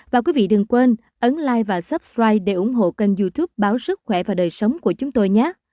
và quý vị đừng quên ấn like và subscribe để ủng hộ kênh youtube báo sức khỏe và đời sống của chúng tôi nhé